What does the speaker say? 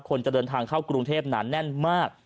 จะเดินทางเข้ากรุงเทพหนาแน่นมาก